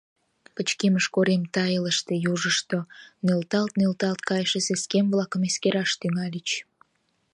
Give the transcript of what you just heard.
Пычкемыш корем тайылыште южышто нӧлталт-нӧлталт кайыше сескем-влакым эскераш тӱҥальыч.